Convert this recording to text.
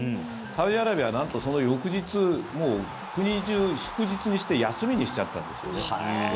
サウジアラビアはなんとその翌日国中祝日にして休みにしちゃったんですよね。